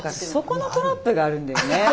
そこのトラップがあるんですよね。